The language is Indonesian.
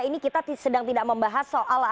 ini kita sedang tidak membahas soal